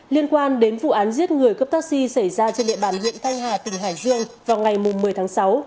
liên quan đến vụ án giết người cấp taxi xảy ra trên địa bàn huyện thanh hà tỉnh hải dương vào ngày một mươi tháng sáu